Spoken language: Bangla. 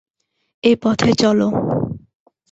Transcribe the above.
এ পথে চলো।